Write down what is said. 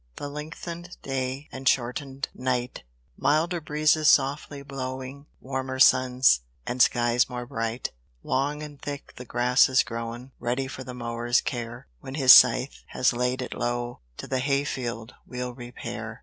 The lengthen'd day and shorten'd night; Milder breezes softly blowing, Warmer suns, and skies more bright. Long and thick the grass is grown, Ready for the mower's care, When his scythe has laid it low, To the hay field we'll repair.